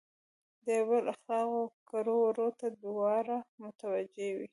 د یو بل اخلاقو او کړو وړو ته دواړه متوجه وي.